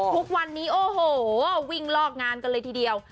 ทุกวันนี้โอ้โหวิ่งลอกงานกันเลยทีเดียว